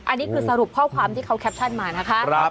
อันนี้คือสรุปข้อความที่เขาแคปชั่นมานะคะ